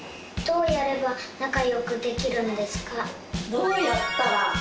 どうやったら？